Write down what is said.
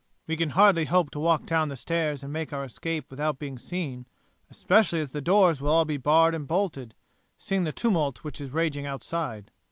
"We can hardly hope to walk down the stairs and make our escape without being seen, especially as the doors will all be barred and bolted, seeing the tumult which is raging outside."